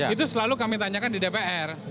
itu selalu kami tanyakan di dpr